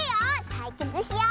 たいけつしよう！